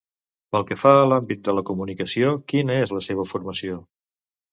Pel que fa a l'àmbit de la comunicació, quina és la seva formació?